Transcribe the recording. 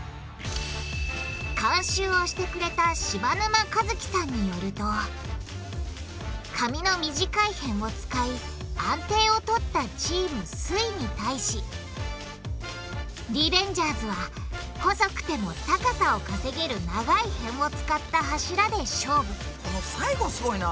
監修をしてくれた柴沼一樹さんによると紙の短い辺を使い安定をとったチームすイに対しリベンジャーズは細くても高さを稼げる長い辺を使った柱で勝負この最後すごいな！